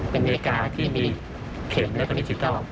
เป็นเอกการ์ที่มีเข็มและคอนดิจิตอล